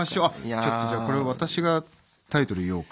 ちょっとじゃあこれ私がタイトル言おうか。